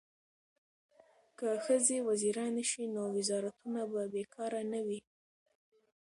که ښځې وزیرانې شي نو وزارتونه به بې کاره نه وي.